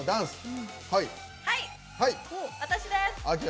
私です。